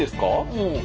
うん。